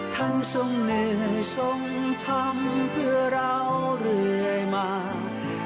ทรงเหนื่อยทรงทำเพื่อเราเรื่อยมา